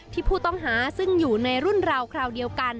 ผู้ต้องหาซึ่งอยู่ในรุ่นราวคราวเดียวกัน